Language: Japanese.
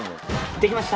できました。